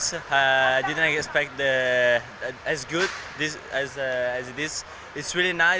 saya tidak mengharapkan yang baik seperti ini